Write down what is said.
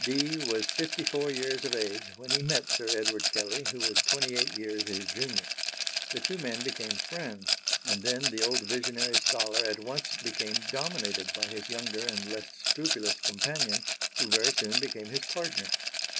Dee was fifty four years of age when he met Sir Edward Kelley who was twenty eight years his junior. The two men became friends, and then the old visionary scholar at once became dominated by his younger and less scrupulous companion, who very soon became his partner.